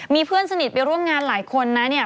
มีเพื่อนสนิทไปร่วมงานหลายคนนะเนี่ย